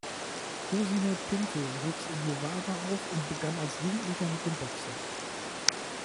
Cosimo Pinto wuchs in Novara auf und begann als Jugendlicher mit dem Boxen.